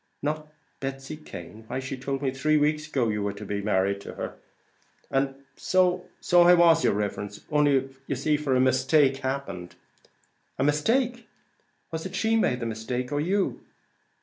"Not Betsy Cane! why she told me three weeks ago you were to be married to her." "And so I was, yer riverence, only ye see for a mistake as happened." "A mistake! Was it she made the mistake or you?"